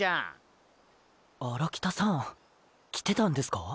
荒北さん来てたんですか。